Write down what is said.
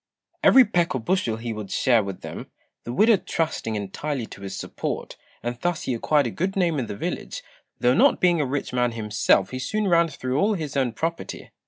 Every peck or bushel he would share with them, the widow trusting entirely to his support; and thus he acquired a good name in the village, though not being a rich man himself he soon ran through all his own property.